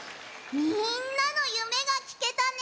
みんなのゆめがきけたね。